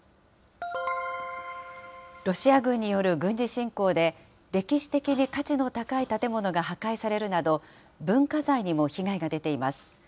ロシア軍による軍事侵攻で、歴史的に価値の高い建物が破壊されるなど、文化財にも被害が出ています。